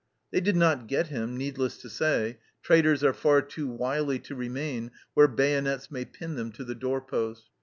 They did not get him, needless to say traitors are far too wily to remain where bayonets may pin them to the door post.